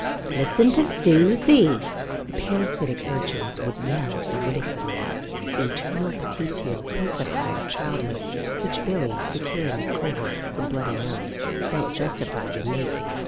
"Listen to Susie!" The parasitic urchins would yell at the witticism the eternal petitio principii of childhood, which Billy, secure in his cohort from bloody nose, felt justified in making.